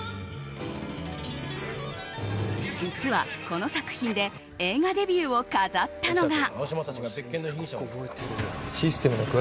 実は、この作品で映画デビューを飾ったのが。